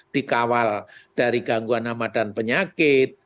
dikawal dari gangguan hama dan penyakit